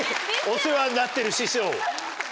お世話になってる師匠を。